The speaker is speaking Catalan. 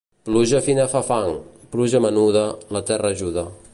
Pluja fina fa fang, pluja menuda, la terra ajuda.